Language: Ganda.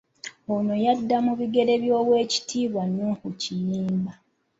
Ono yadda mu bigere by'Oweekitiibwa Noah Kiyimba